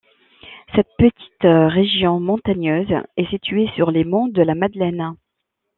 Cette petite région montagneuse est située sur les Monts de la Madeleine.